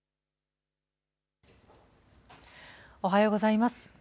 おはようございます。